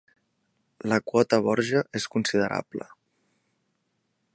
La quota Borja és considerable.